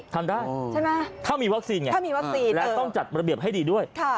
ทำได้ใช่มั้ยถ้ามีวัคซีนไงและต้องจัดระเบียบให้ดีด้วย